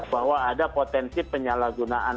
bahwa ada potensi penyalahgunaan